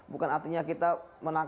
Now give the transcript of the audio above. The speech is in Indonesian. bukan artinya kita menangkapnya